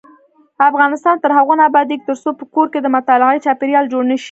افغانستان تر هغو نه ابادیږي، ترڅو په کور کې د مطالعې چاپیریال جوړ نشي.